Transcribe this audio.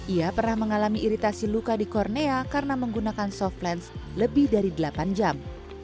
ia pernah mengalami iritasi luka di kornea karena menggunakan soft lens lebih dari delapan jam